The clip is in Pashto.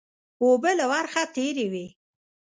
اوبه له ورخه تېرې وې